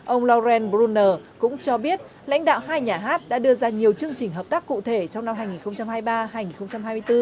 ông lauren bruner cũng cho biết lãnh đạo hai nhà hát đã đưa ra nhiều chương trình hợp tác cụ thể trong năm hai nghìn hai mươi ba hai nghìn hai mươi bốn